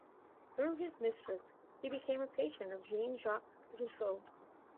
Through his mistress, he became a patron of Jean Jacques Rousseau.